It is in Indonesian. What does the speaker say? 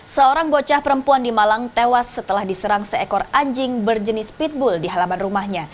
seorang bocah perempuan di malang tewas setelah diserang seekor anjing berjenis pitbull di halaman rumahnya